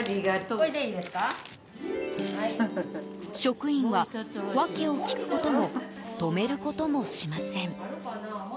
職員は、訳を聞くことも止めることもしません。